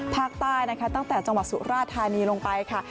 ภาคใต้นะคะตั้งแต่จังหวัดสุราธานีลงไปค่ะ